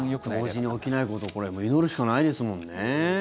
同時に起きないことを祈るしかないですもんね。